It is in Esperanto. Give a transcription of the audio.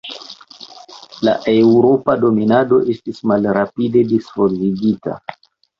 La eŭropa dominado estis malrapide disvolvigita.